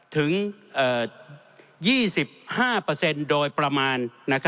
ถึง๒๕โดยประมาณ